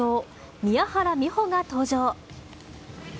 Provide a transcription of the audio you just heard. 宮原美穂が登場。